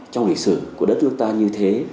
trong lịch sử của đất nước ta như thế